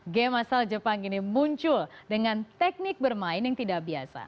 game asal jepang ini muncul dengan teknik bermain yang tidak biasa